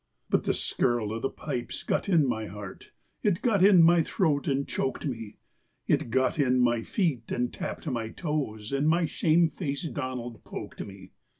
But the skirl o' the pipes got in my heart, It got in my throat and choked me, It got in my feet, and tapped my toes, And my shame faced Donald poked me.